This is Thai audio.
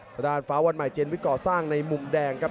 ทางด้านฟ้าวันใหม่เจนวิทย์ก่อสร้างในมุมแดงครับ